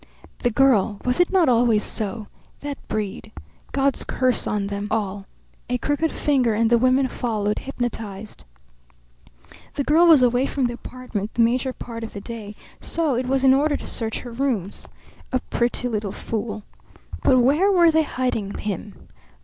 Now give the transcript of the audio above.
The girl. Was it not always so? That breed! God's curse on them all! A crooked finger, and the women followed, hypnotized. The girl was away from the apartment the major part of the day; so it was in order to search her rooms. A pretty little fool. But where were they hiding him?